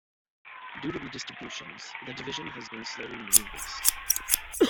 Due to redistributions, the division has been slowly moving west.